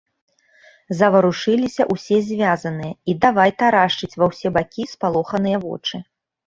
Заварушыліся ўсе звязаныя і давай тарашчыць ва ўсе бакі спалоханыя вочы.